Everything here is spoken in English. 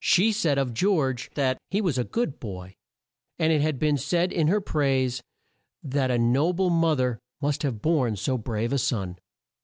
She said of George that he was "a good boy;" and it has been said in her praise that "a no ble mo ther must have borne so brave a son."